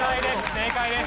正解です。